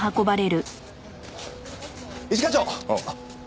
一課長！